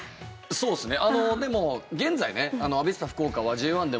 そうですね。